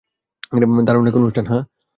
দারুণ এক অনুষ্ঠান, হাহ?